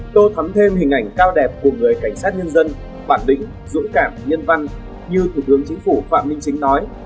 tôi thấm thêm hình ảnh cao đẹp của người cảnh sát nhân dân bản định dũng cảm nhân văn như thủ tướng chính phủ phạm minh chính nói